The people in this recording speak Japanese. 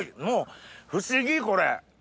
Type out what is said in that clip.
もう不思議これ！